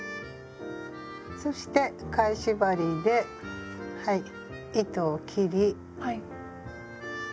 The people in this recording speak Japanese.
そして返し針ではい糸を切り。